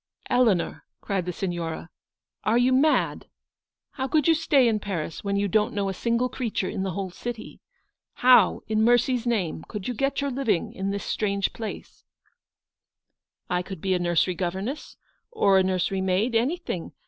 " Eleanor," cried the Signora, " are you mad ? How could you stay in Paris, when you don't know a single creature in the whole city? How, in mercy's name, could you get your living in this strange place ? M 186 Eleanor's victory. "I could be a nursery governess; or a nursery maid ; anything